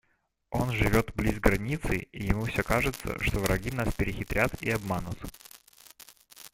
Он живет близ границы, и ему все кажется, что враги нас перехитрят и обманут.